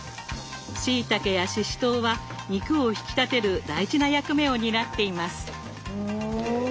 しいたけやししとうは肉を引き立てる大事な役目を担っています。